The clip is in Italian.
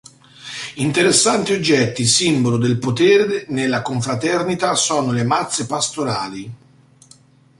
Interessanti oggetti, simbolo del potere nella confraternita, sono le mazze pastorali.